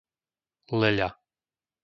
Leľa